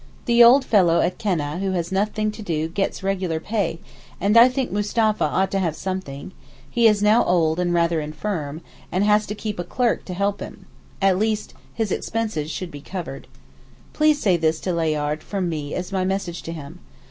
The old fellow at Keneh who has nothing to do gets regular pay, and I think Mustapha ought to have something; he is now old and rather infirm, and has to keep a clerk to help him; and at least, his expenses should be covered. Please say this to Layard from me as my message to him.